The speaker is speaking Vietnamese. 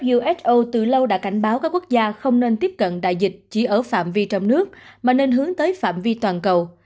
uso từ lâu đã cảnh báo các quốc gia không nên tiếp cận đại dịch chỉ ở phạm vi trong nước mà nên hướng tới phạm vi toàn cầu